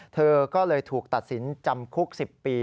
เธอก็เลยถูกตัดสินจำคุก๑๐ปี